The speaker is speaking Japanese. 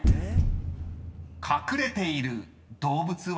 ［隠れている動物は？］